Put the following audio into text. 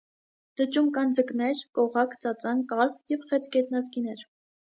Լճում կան ձկներ (կողակ, ծածան, կարպ) և խեցգետնազգիներ։